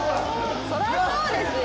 そりゃそうですよ。